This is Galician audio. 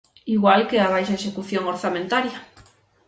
Igual que a baixa execución orzamentaria.